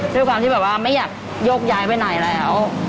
ด้วยความที่แบบว่าไม่อยากโยกย้ายไปไหนแล้ว